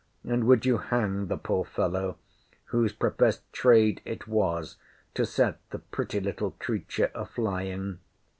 —And would you hang the poor fellow, whose professed trade it was to set the pretty little creature a flying?